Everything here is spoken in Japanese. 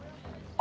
あ！